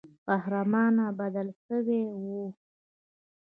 قهرمان بدل سوی وو.